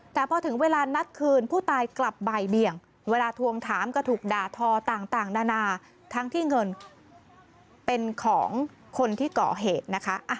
แต่พอถึงเวลานัดคืนผู้ตายกลับบ่ายเบี่ยงเวลาทวงถามก็ถูกด่าทอต่างนานาทั้งที่เงินเป็นของคนที่ก่อเหตุนะคะ